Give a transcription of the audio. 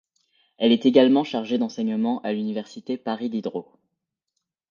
Elle est également chargée d'enseignement à l'université Paris-Diderot.